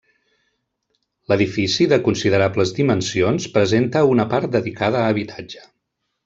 L'edifici de considerables dimensions presenta una part dedicada a habitatge.